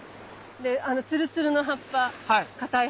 であのツルツルの葉っぱ硬い